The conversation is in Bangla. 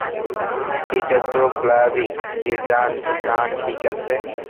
এইটা তো ব্লবি, ডিজার্ট না, ঠিক আছে?